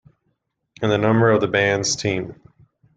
and a number of the band's team.